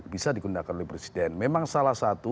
bisa digunakan oleh presiden memang salah satu